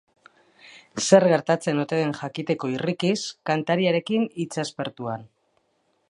Zer gertatzen ote den jakiteko irrikiz, kantariarekin hitzaspertuan.